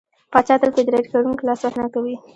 پاچا تل په اداري کارونو کې لاسوهنه کوي.